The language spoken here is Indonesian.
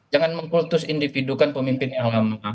jangan mengkultus individukan pemimpin yang lama